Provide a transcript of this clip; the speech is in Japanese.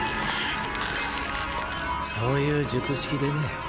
そういう術式でね。